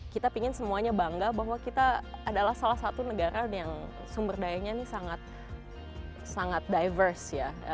kita pingin semuanya bangga bahwa kita adalah salah satu negara yang sumber dayanya ini sangat sangat diverse ya